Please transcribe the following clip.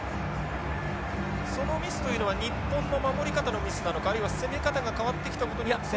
そのミスというのは日本の守り方のミスなのかあるいは攻め方が変わってきたことによって。